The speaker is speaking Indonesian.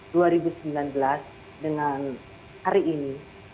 dengan hari ini